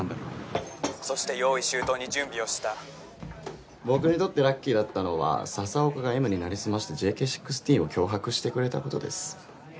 ☎そして用意周到に準備をした僕にとってラッキーだったのは笹岡がＭに成り済ましてＪＫ１６を脅迫してくれたことです